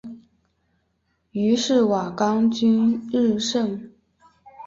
于是瓦岗军日盛。